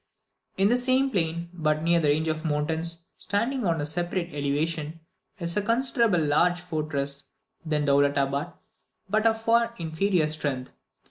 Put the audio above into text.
In the same plain, but near to the range of mountains, standing on a separate elevation, is a considerably larger fortress than Dowlutabad, but of far inferior strength.